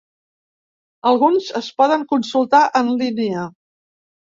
Alguns es poden consultar en línia.